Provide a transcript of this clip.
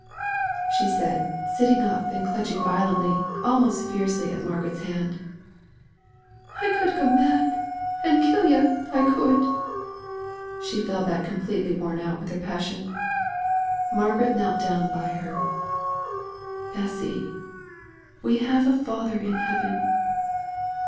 said she, sitting up, and clutching violently, almost fiercely, at Margaret's hand, "I could go mad, and kill yo, I could." She fell back completely worn out with her passion. Margaret knelt down by her. "Bessy we have a Father in Heaven."